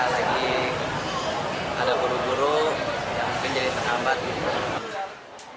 jadi ada buru buru yang menjadi terhambat gitu